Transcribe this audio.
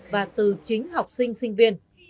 và từ chính học sinh sinh viên